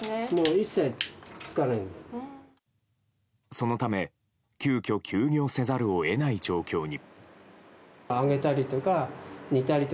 そのため、急きょ休業せざるを得ない状況に。